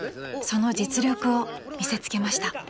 ［その実力を見せつけました］